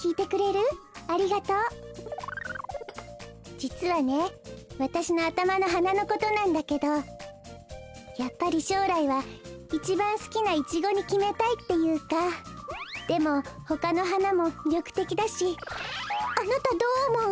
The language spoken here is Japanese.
じつはねわたしのあたまのはなのことなんだけどやっぱりしょうらいはいちばんすきなイチゴにきめたいっていうかでもほかのはなもみりょくてきだしあなたどうおもう？